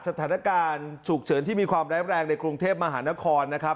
สถานการณ์ฉุกเฉินที่มีความร้ายแรงในกรุงเทพมหานครนะครับ